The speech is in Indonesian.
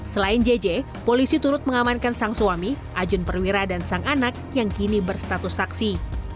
selain jj polisi turut mengamankan sang suami ajun perwira dan sang anak yang kini berstatus saksi